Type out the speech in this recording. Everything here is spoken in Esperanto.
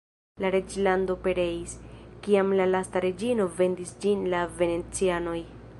La reĝlando pereis, kiam la lasta reĝino vendis ĝin al venecianoj.